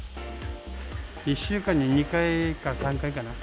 １週間に２回か３回かな。